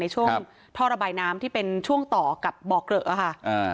ในช่วงทราบายน้ำที่เป็นช่วงต่อกับบอกเหรอะครับ